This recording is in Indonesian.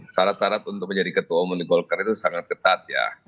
syarat syarat untuk menjadi ketua umum di golkar itu sangat ketat ya